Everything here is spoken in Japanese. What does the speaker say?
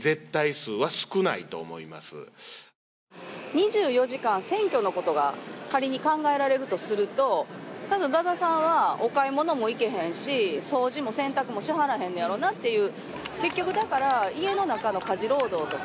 ２４時間選挙のことが仮に考えられるとすると、多分、馬場さんはお買い物も行けへんし掃除も洗濯物もしはらへんのやろうなっていう。